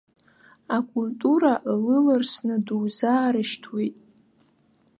Акультура лылырсны дузаарышьҭуеит.